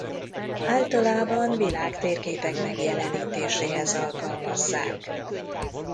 Általában világtérképek megjelenítéséhez alkalmazzák.